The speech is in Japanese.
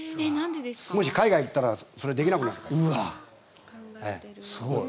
もし海外に行ったらできなくなるから。